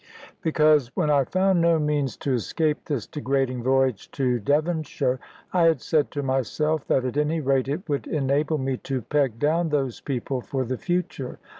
Because, when I found no means to escape this degrading voyage to Devonshire, I had said to myself that at any rate it would enable me to peg down those people for the future.